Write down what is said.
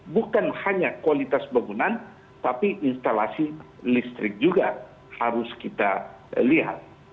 bukan hanya kualitas bangunan tapi instalasi listrik juga harus kita lihat